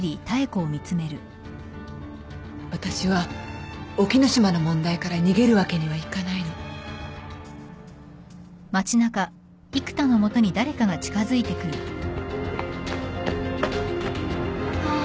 私は沖野島の問題から逃げるわけにはいかないの。・あっ。